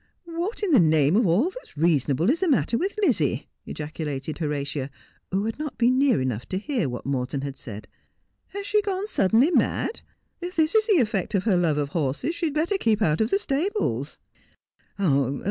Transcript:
' What in the name of all that's reasonable is the matter with Lizzie?' ejaculated Horatia, who had not been near enough to hear what Morton said. ' Has she gone suddenly mad ? If this is the effect of her love of horses she had better keep out of the stables.'